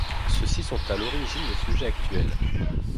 Ceux-ci sont à l'origine des sujets actuels.